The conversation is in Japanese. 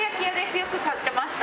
よく買ってました。